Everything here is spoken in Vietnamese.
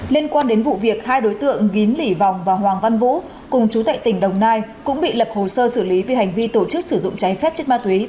liên quan đến vụ việc hai đối tượng gín lỉ vòng và hoàng văn vũ cùng chú tệ tỉnh đồng nai cũng bị lập hồ sơ xử lý vì hành vi tổ chức sử dụng cháy phép chất ma túy